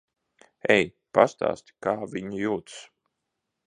Ej. Pastāstīsi, kā viņa jūtas.